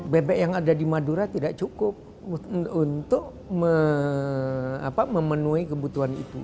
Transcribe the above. bebek yang ada di madura tidak cukup untuk memenuhi kebutuhan itu